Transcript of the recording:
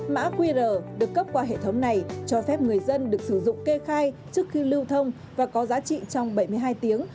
mã qr được cấp qua hệ thống này cho phép người dân được sử dụng kê khai trước khi lưu thông và có giá trị trong bảy mươi hai tiếng